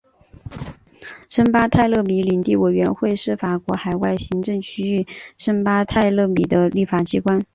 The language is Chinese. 圣巴泰勒米领地委员会是法国海外行政区域圣巴泰勒米的立法机关。